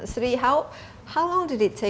sri berapa lama itu